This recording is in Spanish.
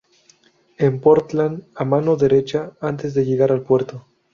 En Portland, a mano derecha antes de llegar al puerto.